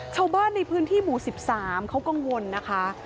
ชาวบ้านในพื้นที่หมู่๑๓เขากังวลนะคะ